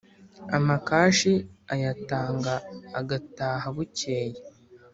Amakashi ayatanga agataha bukeye.